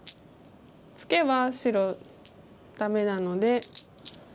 ツケは白ダメなので。